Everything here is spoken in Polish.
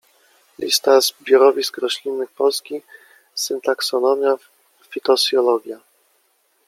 Lista zbiorowisk roślinnych Polski, syntaksonomia, fitosocjologia.